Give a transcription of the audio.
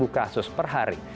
lima kasus per hari